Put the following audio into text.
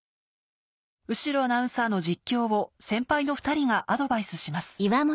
後呂アナウンサーの実況を先輩の２人がアドバイスします